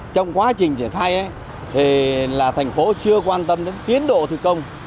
trong quá trình triển khai thì là thành phố chưa quan tâm đến tiến độ thi công